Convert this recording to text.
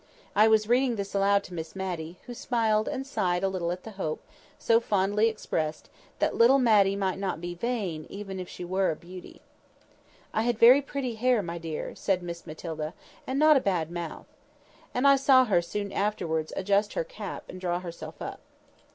I was reading this aloud to Miss Matty, who smiled and sighed a little at the hope, so fondly expressed, that "little Matty might not be vain, even if she were a bewty." "I had very pretty hair, my dear," said Miss Matilda; "and not a bad mouth." And I saw her soon afterwards adjust her cap and draw herself up.